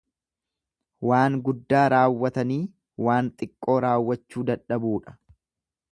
Waan guddaa raawwatanii waan xiqqoo raawwachuu dadhabuudha.